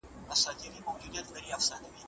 د رحمت شاه سایل ورځ په جون میاشت کې ده.